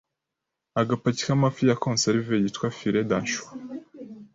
Agapaki k’amafi ya conserve yitwa filet d’anchois